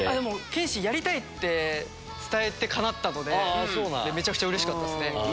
剣心やりたいって伝えてかなったのでめちゃくちゃうれしかったっす。